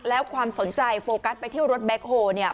แล้วความสนใจโฟกัสไปที่รถแบ็คโฮเนี่ย